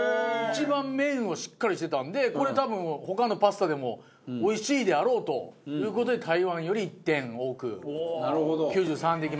一番麺をしっかりしてたんでこれ多分他のパスタでもおいしいであろうという事で台湾より１点多く９３でいきました。